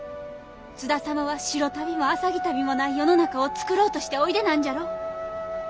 津田様は白足袋も浅葱足袋もない世の中をつくろうとしておいでなんじゃろ？